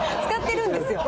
使ってる？